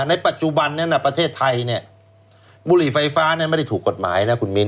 ในปัจจุบันประเทศไทยบุรีไฟฟ้าไม่ได้ถูกกฎหมายนะคุณมิ้น